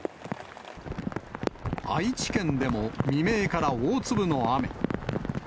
愛知県でも、未明から大粒の雨。